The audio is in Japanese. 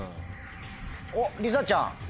おっりさちゃん。